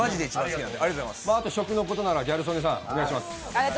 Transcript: あと、食のことならギャル曽根さんお願いします。